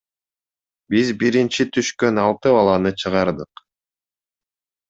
Биз биринчи түшкөн алты баланы чыгардык.